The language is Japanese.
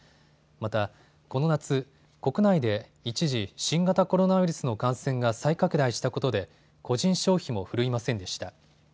また、この夏、国内で一時、新型コロナウイルスの感染が再拡大したことで個人消費も振るいませんでした。